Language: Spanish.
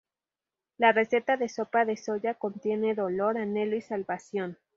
La receta de sopa de soja contiene dolor, anhelo y salvación.